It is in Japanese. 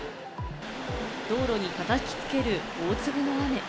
道路に叩きつける大粒の雨。